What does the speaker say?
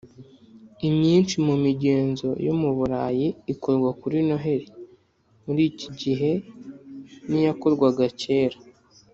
Imyinshi mu migenzo yo mu Burayi ikorwa kuri Noheli muri iki gihe n iyakorwaga kera